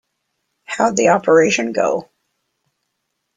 How'd the operation go?